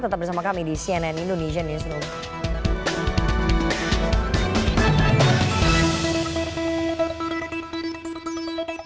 tetap bersama kami di cnn indonesian newsroom